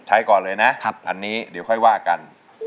ก่อนเลยนะอันนี้เดี๋ยวค่อยว่ากัน